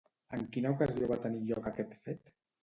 En quina ocasió va tenir lloc aquest fet?